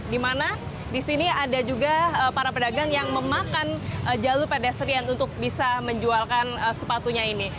dimana disini ada juga para pedagang yang memakan jalur pedestrian untuk bisa menjualkan sepatunya ini